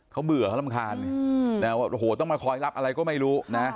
เขาเบื่อเขารำคาญโอ้โหต้องมาคอยรับอะไรก็ไม่รู้นะ